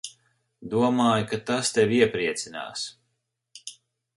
Domāju, ka tas tevi iepriecinās.